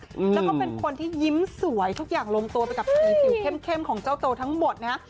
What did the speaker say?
และเป็นคนที่ยิ้มสวยลงโตไปกับสิ่งสิวเข้มของเจ้าตัวทั้งหมดนะ